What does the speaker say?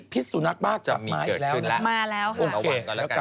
พิษสุนักบ้างก็จะมีเกิดขึ้นแหละ